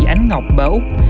ánh ngọc bá úc